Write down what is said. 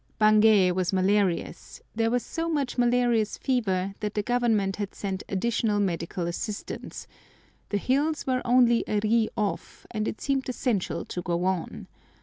Bangé was malarious: there was so much malarious fever that the Government had sent additional medical assistance; the hills were only a ri off, and it seemed essential to go on.